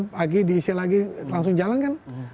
pagi diisi lagi langsung jalan kan